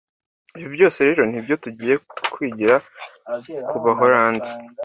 Ibi byose rero n’ibyo tugiye kwigira ku Baholandi